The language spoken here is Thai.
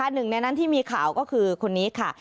หนึ่งในนั้นที่มีข่าวก็คือคนนี้ค่ะ